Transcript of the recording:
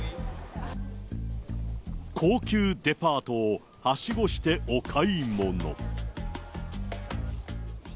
高級デパートをはしごしてお買い物。